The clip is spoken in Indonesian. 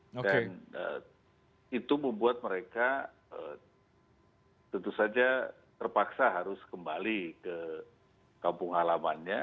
dan itu membuat mereka tentu saja terpaksa harus kembali ke kampung alamannya